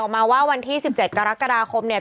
เป็นการกระตุ้นการไหลเวียนของเลือด